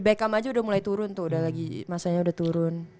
beckham aja udah mulai turun tuh masanya udah turun